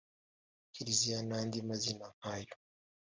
Kiriziya n’andi mazina nkayo